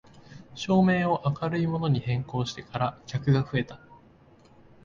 照明を明るいものに変更してから客が増えた